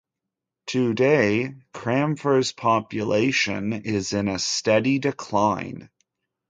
Today, Kramfors's population is in a steady decline.